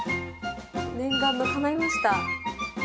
念願がかないました。